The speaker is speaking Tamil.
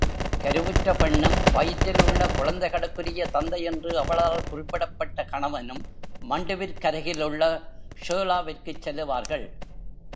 கருவுற்ற பெண்ணும், வயிற்றில் உள்ள குழந்தைகளுக்குரிய தந்தை என்று அவளால் குறிப்பிடப்பட்ட கணவனும், மண்டுவிற்கருகிலுள்ள ஷோலாவிற்குச் செல்லுவார்கள்.